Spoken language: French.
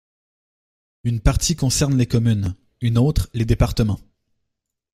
Une partie concerne les communes, une autre les départements.